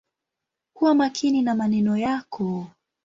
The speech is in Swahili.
Kuwa makini na maneno yako.